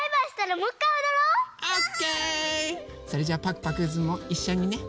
それじゃあパクパクズもいっしょにね。